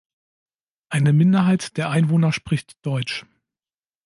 Eine Minderheit der Einwohner spricht deutsch.